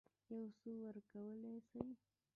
یو څه ورکولای سي.